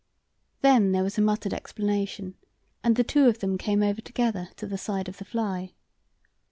Then there was a muttered explanation, and the two of them came over together to the side of the fly.